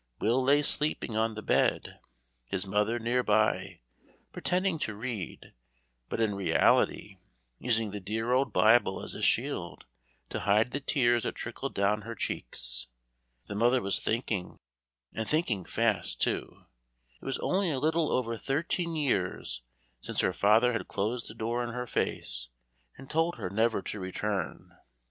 Will lay sleeping on the bed, his mother near by, pretending to read, but in reality using the dear old Bible as a shield to hide the tears that trickled down her cheeks. The mother was thinking, and thinking fast, too. It was only a little over thirteen years since her father had closed the door in her face and told her never to return.